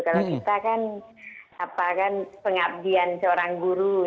kalau kita kan apa kan pengabdian seorang guru